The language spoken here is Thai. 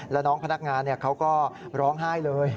แล้วน้องพนักงานเขาก็ร้องไห้เลย